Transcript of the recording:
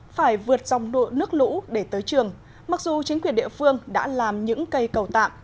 phải vượt dòng nước lũ để tới trường mặc dù chính quyền địa phương đã làm những cây cầu tạm